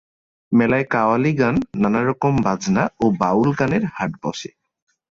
মেলায় কাওয়ালি গান, নানারকম বাজনা ও বাউল গানের হাট বসে।